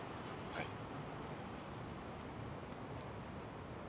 はい。